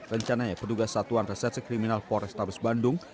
rencananya pedugas satuan resetse kriminal polres tabes bandung